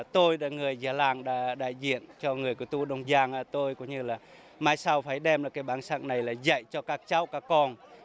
tôi là người dạ làng đại diện cho người cơ tu đông giang tôi cũng như là mai sau phải đem bản sắc này dạy cho các cháu các con